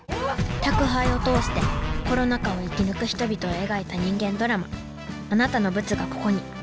宅配を通してコロナ禍を生き抜く人々を描いた人間ドラマ「あなたのブツが、ここに」